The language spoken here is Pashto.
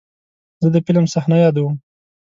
زه د فلم صحنه یادوم.